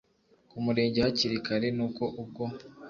kumurenge hakiri kare nuko ubwo